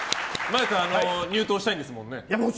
麻世さん入党したいんですもんね？